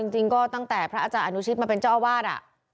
จริงก็ตั้งแต่พระอาจารย์อนุชิตมาเป็นเจ้าอาวาส